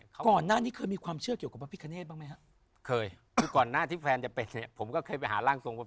ก่อนหน้านี่เคยมีความเชื่อเกี่ยวกับพี่คะเนธบ้างมั้ยครับ